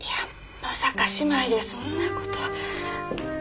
まさか姉妹でそんなこと。